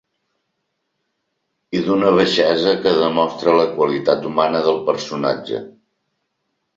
I d’una baixesa que demostra la qualitat humana del personatge.